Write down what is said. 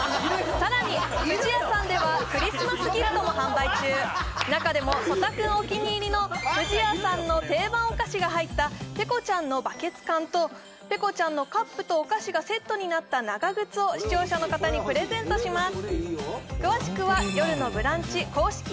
さらに不二家さんではクリスマスギフトも販売中中でも曽田君お気に入りの不二家さんの定番お菓子が入ったペコちゃんのバケツ缶とペコちゃんのカップとお菓子がセットになった長靴を視聴者の方にプレゼントします